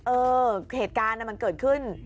เออเหตุการณ์มันเกิดขึ้น